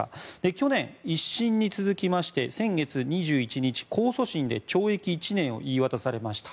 去年、１審に続きまして先月２１日控訴審で懲役１年を言い渡されました。